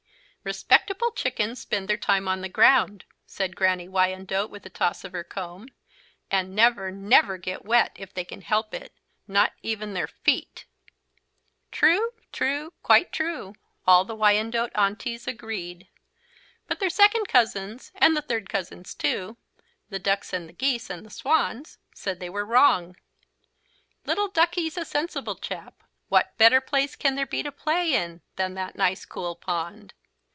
"Respectable chickens spend their time on the ground," said Granny Wyandotte with a toss of her comb, "and never, never get wet, if they can help it, not even their feet." "True true quite true," all the Wyandotte Aunties agreed. But their second cousins and the third cousins too, the ducks and the geese and the swans, said they were wrong. "Little Duckie's a sensible chap. What better place can there be to play in than that nice cool pond?"